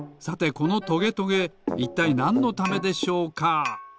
さてこのトゲトゲいったいなんのためでしょうか？